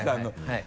はい。